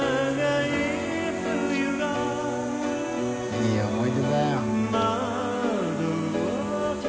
いい思い出だよ。